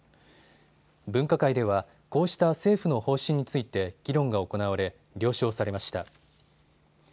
分科会ではこうした政府の方針について議論が行われ、了承されました。